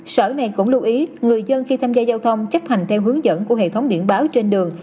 sở này cũng lưu ý người dân khi tham gia giao thông chấp hành theo hướng dẫn của hệ thống điện báo trên đường